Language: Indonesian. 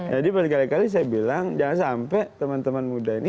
berkali kali saya bilang jangan sampai teman teman muda ini